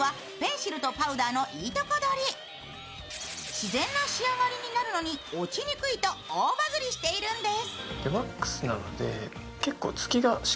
自然な仕上がりになるのに落ちにくいと大バズりしているんです。